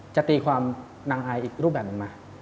จะตีความนางอายอีกรูปแบบหนึ่งไหม